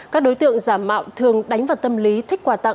các đối tượng giả mạo thường đánh vào tâm lý thích quà tặng